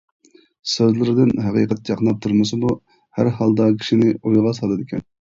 سۆزلىرىدىن «ھەقىقەت» چاقناپ تۇرمىسىمۇ ھەر ھالدا كىشىنى ئويغا سالىدىكەن.